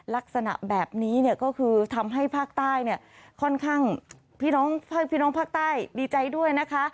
ลักษณะแบบนี้เนี่ยก็คือทำให้ภาคใต้เนี่ยค่อนข้างพี่น้องพี่น้องภาคใต้ดีใจด้วยนะคะ